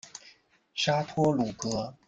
沙托鲁格。